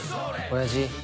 親父。